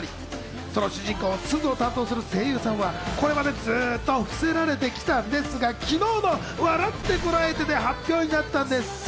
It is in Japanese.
その主人公・すずを担当する声優さんはこれまでずっと伏せられてきたんですが昨日の『笑ってコラえて！』で発表になったんです。